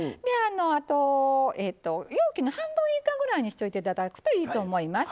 あと、容器の半分以下ぐらいにしていただくといいと思います。